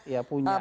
ya punya apa